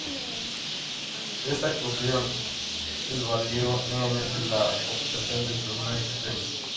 Esta actuación les valió nuevamente la obtención del primer premio.